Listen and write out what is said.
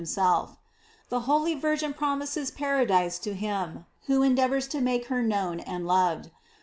f The holy Virgin promises paradise to him who endeavors to make her known and loved.